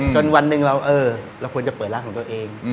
วันหนึ่งเราเออเราควรจะเปิดร้านของตัวเอง